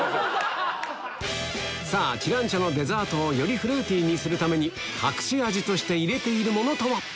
さぁ知覧茶のデザートをよりフルーティーにするために隠し味として入れているものとは？